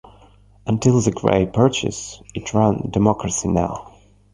Until the Gray purchase, It ran Democracy Now!